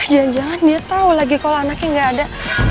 jangan jangan dia tau lagi kalau anaknya gak ada